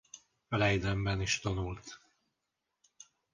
Leidenben is tanult.